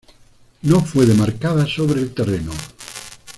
No fue demarcada sobre el terreno.